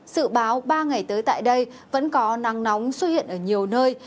sự báo ba ngày tới tại đây vẫn có nắng nóng xuất hiện ở nhiều nơi